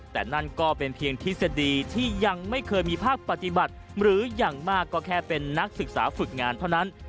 แต่นั่นก็เป็นเพียงทฤษฎีที่ยังไม่เคยมีภาคปฏิบัติหรืออย่างมากก็แค่เป็นนักศึกษาฝึกงานเท่านั้น